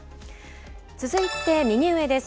続いて右上です。